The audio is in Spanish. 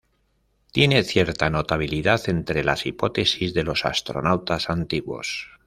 Tiene cierta notabilidad entre las hipótesis de los astronautas antiguos.